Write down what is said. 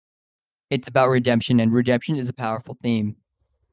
It's about redemption, and redemption is a powerful theme.